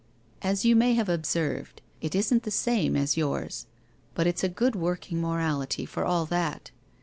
As you may have observed, it isn't the same as yours, but it's a good working morality for all that.